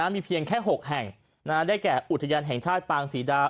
มีเพียงแค่๖แห่งได้แก่อุทยานแห่งชาติปางศรีดา